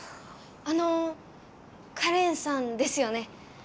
あのカレンさんですよね？